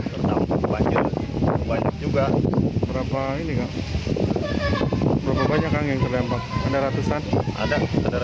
terendam banjir banyak juga berapa ini kak berapa banyak yang terlembang ada ratusan ada